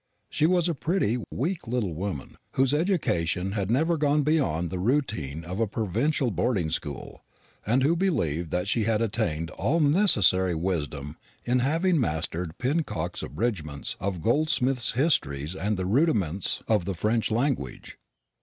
She was a pretty, weak little woman, whose education had never gone beyond the routine of a provincial boarding school, and who believed that she had attained all necessary wisdom in having mastered Pinnock's abridgments of Goldsmith's histories and the rudiments of the French language.